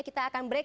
kita akan break